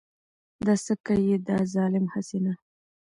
دا څه که يې دا ظالم هسې نه .